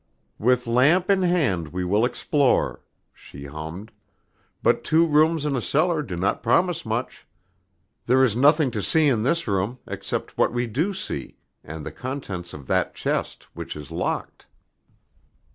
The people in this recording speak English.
"'With lamp in hand we will explore,'" she hummed, "but two rooms and a cellar do not promise much. There is nothing to see in this room, except what we do see, and the contents of that chest, which is locked."